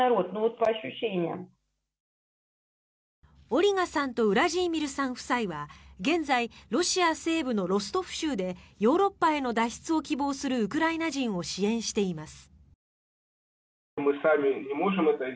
オリガさんとウラジーミルさん夫妻は現在、ロシア西部のロストフ州でヨーロッパへの脱出を希望するウクライナ人を支援しています。